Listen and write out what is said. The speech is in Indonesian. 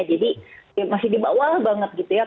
jadi masih di bawah banget gitu ya